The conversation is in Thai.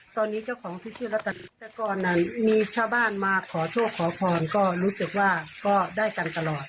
ตอนนี้เจ้าของพิษิเชียรธรรมมีชาวบ้านมาขอโทษขอพรก็รู้สึกว่าก็ได้กันตลอด